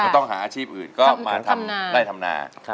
ต้องหาอาชีพอื่นก็มาทำไร่ทำนา